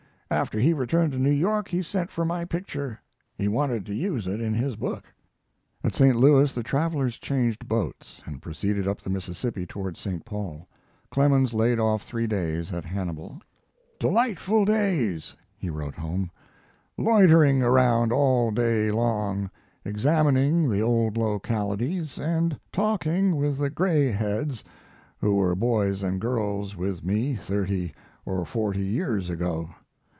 After he returned to New York he sent for my picture. He wanted to use it in his book." At St. Louis the travelers changed boats, and proceeded up the Mississippi toward St. Paul. Clemens laid off three days at Hannibal. Delightful days [he wrote home]. Loitering around all day long, examining the old localities, and talking with the gray heads who were boys and girls with me thirty or forty years ago.